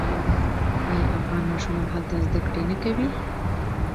آیا افغان ماشومان هلته زده کړې نه کوي؟